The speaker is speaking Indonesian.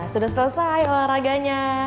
sudah selesai olahraganya